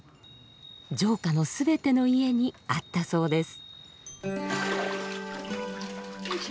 城下の全ての家にあったそうです。